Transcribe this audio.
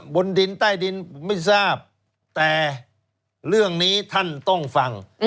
บนดินใต้ดินไม่ทราบแต่เรื่องนี้ท่านต้องฟัง